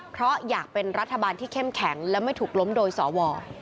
เพราะอยากเป็นรัฐบาลที่เข้มแข็งและไม่ถูกล้มโดยสว